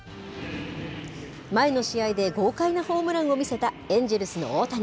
前の試合で豪快なホームランを見せたエンジェルスの大谷。